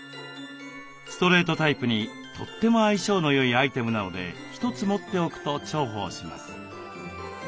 ストレートタイプにとっても相性のよいアイテムなので一つ持っておくと重宝します。